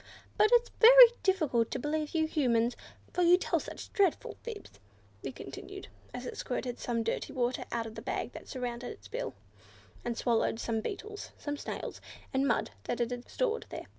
"But it's very difficult to believe you Humans, for you tell such dreadful fibs," it continued, as it squirted some dirty water out of the bag that surrounded its bill, and swallowed some water beetles, small snails and mud that it had stored there.